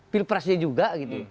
pilpresnya juga gitu